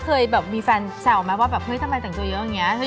เคยมีแฟนแซวมั้ยว่าเฮ้ยทำไมแต่งตัวเยอะอย่างเงี้ย